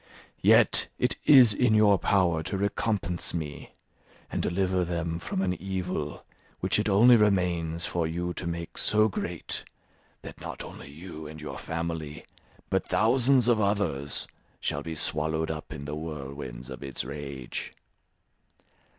Yet it is in your power to recompense me, and deliver them from an evil which it only remains for you to make so great, that not only you and your family, but thousands of others, shall be swallowed up in the whirlwinds of its rage.